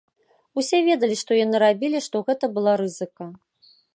Усе ведалі, што яны рабілі, што гэта была рызыка.